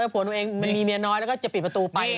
ผัวตัวเองมันมีเมียน้อยแล้วก็จะปิดประตูไป